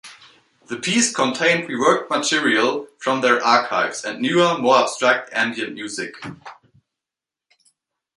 The piece contained reworked material from their archives and newer, more abstract ambient music.